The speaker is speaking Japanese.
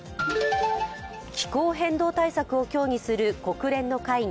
気候変動対策を協議する国連の会議